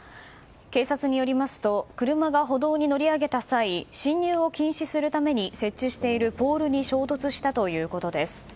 警察によりますと車が歩道に乗り上げた際進入を禁止するために設置しているポールに衝突したということです。